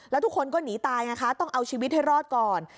แล้วทุกคนก็หนีตายไงคะต้องเอาชีวิตให้รอดก่อน